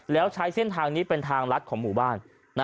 แล้วใช้เส้นทางนี้เป็นทางลัดของหมู่บ้าน